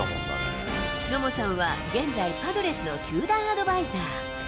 野茂さんは現在、パドレスの球団アドバイザー。